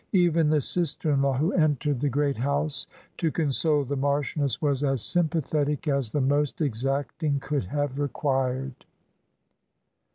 Even the sister in law who entered the great house to console the Marchioness was as sympathetic as the most exacting could have required.